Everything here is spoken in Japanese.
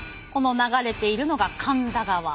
この流れているのが神田川。